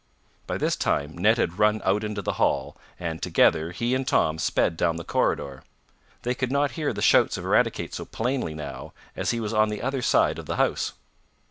By this time Ned had run out into the hall, and, together, he and Tom sped down the corridor. They could not hear the shouts of Eradicate so plainly now, as he was on the other side of the house.